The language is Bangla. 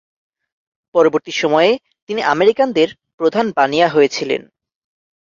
পরবর্তী সময়ে তিনি আমেরিকানদের প্রধান বানিয়া হয়েছিলেন।